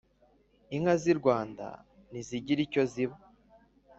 Inka z'i Rwanda ntizagira icyo ziba;